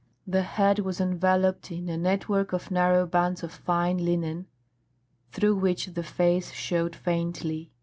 The head was enveloped in a network of narrow bands of fine linen, through which the face showed faintly.